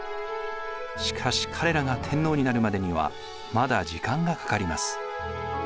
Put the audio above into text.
しかし彼らが天皇になるまでにはまだ時間がかかります。